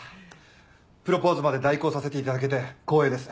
プロポーズまで代行させていただけて光栄です。